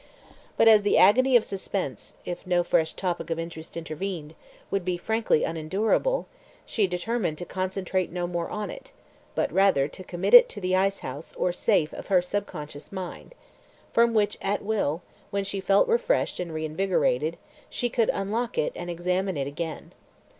But as the agony of suspense, if no fresh topic of interest intervened, would be frankly unendurable, she determined to concentrate no more on it, but rather to commit it to the ice house or safe of her subconscious mind, from which at will, when she felt refreshed and reinvigorated, she could unlock it and examine it again.